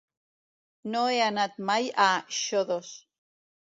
No he anat mai a Xodos.